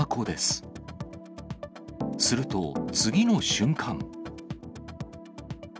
すると、次の瞬間。